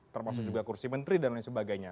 termasuk juga kursi menteri dan lain sebagainya